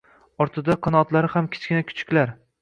Ortida qanotlari ham kichkina kuchuklar…